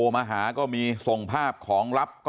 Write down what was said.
โทรมาหาก็มีส่งภาพของลับก็มานะครับ